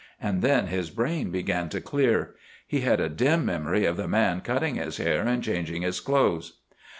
And then his brain began to clear. He had a dim memory of the man cutting his hair and changing his clothes.